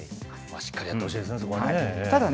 しっかりやってほしいですね、そこはね。